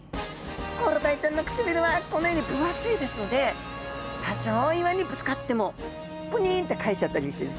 コロダイちゃんの唇はこのように分厚いですので多少岩にぶつかってもぷにんって返しちゃったりしてですね。